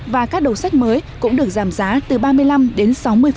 và các đầu sách mới cũng được giảm giá từ ba mươi năm đến sáu mươi